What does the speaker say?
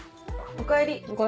おかえり。